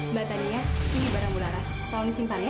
mbak tania ini barang bulan ras tolong simpan ya